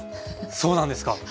そうなんですか。